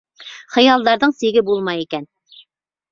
Хыялдарҙың сиге булмай икән.